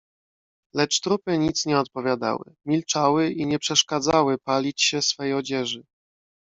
"Lecz trupy nic nie odpowiadały, milczały i nie przeszkadzały palić się swej odzieży."